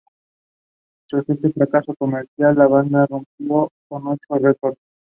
Tras este fracaso comercial, la banda rompió con Echo Records.